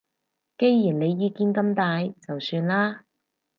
既然你意見咁大就算啦